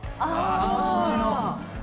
そっちの！